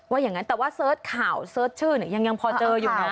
ว่าอย่างนั้นแต่ว่าเสิร์ชข่าวเซิร์ชชื่อยังพอเจออยู่นะ